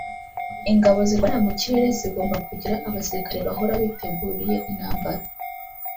Ingabo zirwanira mu kirere zigomba kugira abasirikare bahora biteguriye intambara